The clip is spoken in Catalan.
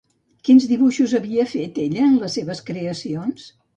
Quins dibuixos havia fet ella en les seves creacions?